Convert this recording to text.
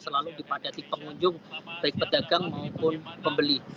selalu dipadati pengunjung baik pedagang maupun pembeli